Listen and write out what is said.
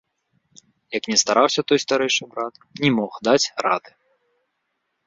Як ні стараўся той старэйшы брат, не мог даць рады.